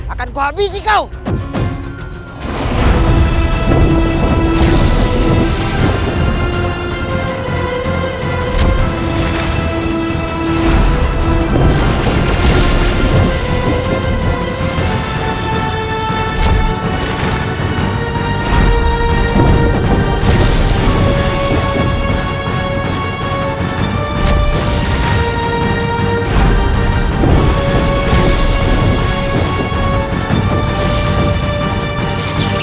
aku akan mengensorinya